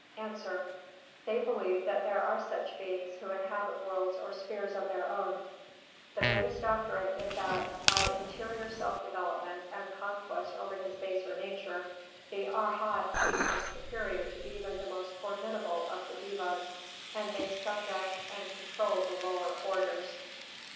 _ A. They believe that there are such beings who inhabit worlds or spheres of their own. The Buddhist doctrine is that, by interior self development and conquest over his baser nature, the Arhat becomes superior to even the most formidable of the devas, and may subject and control the lower orders.